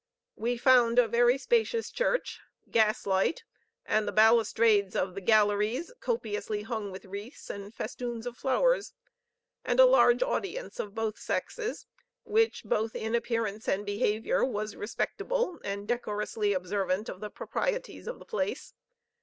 We found a very spacious church, gas light, and the balustrades of the galleries copiously hung with wreaths and festoons of flowers, and a large audience of both sexes, which, both in appearance and behaviour, was respectable and decorously observant of the proprieties of the place.